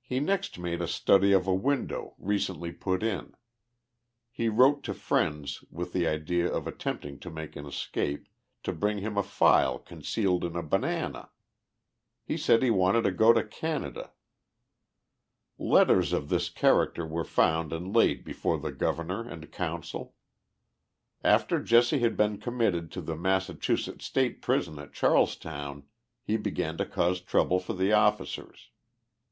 He next made a study of a window, recently put in. He wrote to friends, with the idea of attempting to make an escape, to bring him a file concealed in a banana. He said he wanted to go to Canada ! Letters of this character were found and laid before the Gov ernor and Council. After Jesse had been committed to the Massachusetts State Prison at Charlestown he began to cause trouble for the officers.